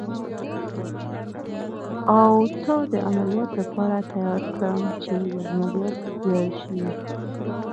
او تا د عملیاتو لپاره تیار کړم، چې عملیات دې ژر شي.